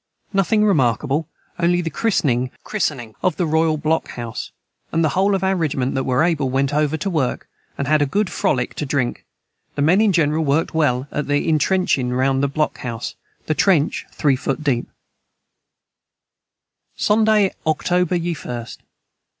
Nothing remarkable only the crissning of the Royal Block House and the whole of our rigiment that were able went over to work and had a good frolick to drink the Men in Jeneral worked well at the intrenching round the Block House the trench 3 foot deep. [Footnote 79: Christening.] Sonday October ye 1st.